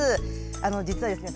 あの実はですね